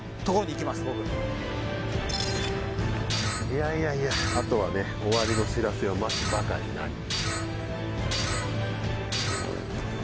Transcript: いやいやいやあとはね終わりの知らせを待つばかりなり。